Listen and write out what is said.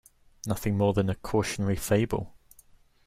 Nothing more than a cautionary fable.